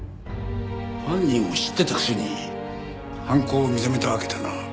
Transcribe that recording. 犯人を知ってたくせに犯行を認めたわけだな。